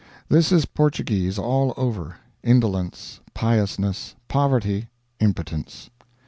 This is Portuguese allover indolence, piousness, poverty, impotence.